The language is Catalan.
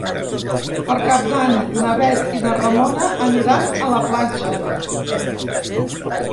Per Cap d'Any na Bet i na Ramona aniran a la platja.